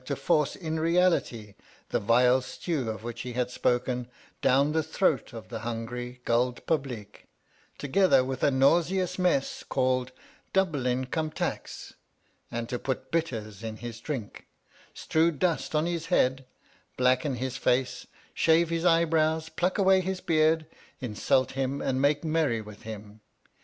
[Conducted by to force in reality the vile stew of which he had spoken down the throat of the hungry Guld Publeek, together with a nauseous mess called DUBLINCUMTAX, and to put bitters in his drink, strew dust on his head, blacken his face, shave his eyebrows, pluck away his beard, insult him and make merry with him.